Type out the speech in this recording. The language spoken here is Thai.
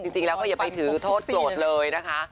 จริงแล้วก็อย่าไปถือโทษโกรธเลยนะคะ